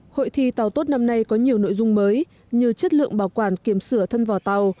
hội thi tàu tốt năm nay có nhiều nội dung mới như chất lượng bảo quản kiểm sửa thân vỏ tàu